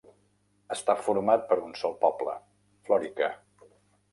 Està format per un sol poble, Florica.